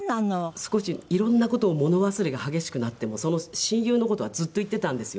少し色んな事を物忘れが激しくなってもその親友の事はずっと言ってたんですよ。